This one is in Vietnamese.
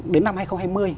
đến năm hai nghìn hai mươi